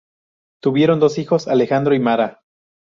Tuvieron dos hijos: Alejandro y Mara.